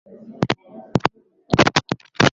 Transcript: ya Kiswahili udhaifu wa nadharia hii ni kwamba